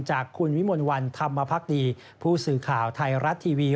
จากคุณวิมลวันธรรมพักดีผู้สื่อข่าวไทยรัฐทีวี